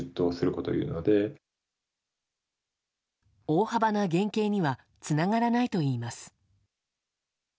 大幅な減刑にはつながらないといいます。